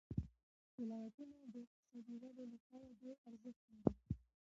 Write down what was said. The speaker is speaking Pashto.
ولایتونه د اقتصادي ودې لپاره ډېر ارزښت لري.